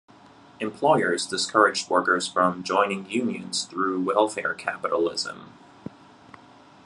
Employers discouraged workers from joining unions through welfare capitalism.